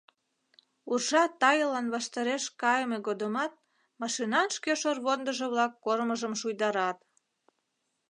Уржа тайыллан ваштареш кайыме годымат машинан шке шорвондыжо-влак кормыжым шуйдарат...